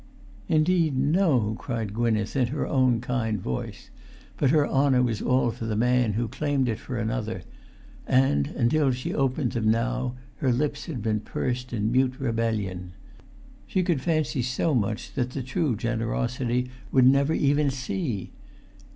"Indeed, no!" cried Gwynneth, in her own kind voice; but her honour was all for the man who claimed it for another; and, until she opened them now, her lips had been pursed in mute rebellion. She could fancy so much that the true generosity would never even see!